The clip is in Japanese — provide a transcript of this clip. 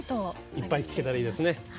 いっぱい聴けたらいいですね。